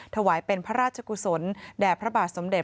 ถวายเป็นพระราชกุศลแด่พระบาทสมเด็จ